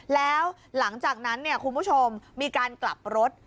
แล้วหลังจากนั้นคุณผู้ชมมีการกลับรถ